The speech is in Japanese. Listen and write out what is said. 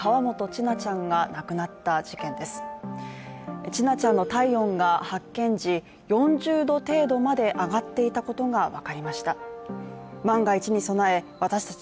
千奈ちゃんの体温が、発見時４０度程度まで上がっていたことが分かりました